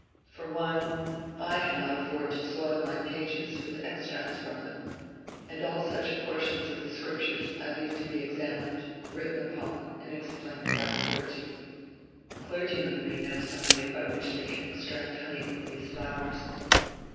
For one, I cannot afford to soil my pages with extracts from them; and all such portions of the Scriptures I leave to be examined, written upon, and explained by the clergy. Clergymen may know some way by which they can extract honey from these flowers.